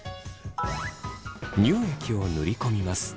乳液を塗り込みます。